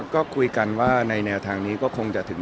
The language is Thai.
ก็คุยกันว่าในแนวทางนี้ก็คงจะถึง